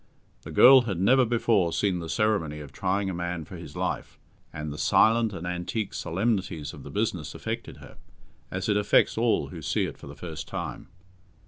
The girl had never before seen the ceremony of trying a man for his life, and the silent and antique solemnities of the business affected her, as it affects all who see it for the first time.